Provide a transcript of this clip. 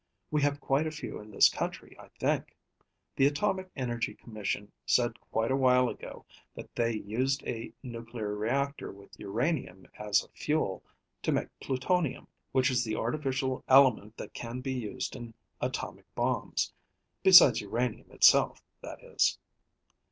We have quite a few in this country, I think. The Atomic Energy Commission said quite a while ago that they used a nuclear reactor with uranium as a fuel to make plutonium, which is the artificial element that can be used in atomic bombs. Besides uranium itself, that is."